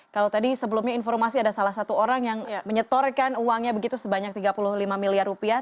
kalau tadi sebelumnya informasi ada salah satu orang yang menyetorkan uangnya begitu sebanyak tiga puluh lima miliar rupiah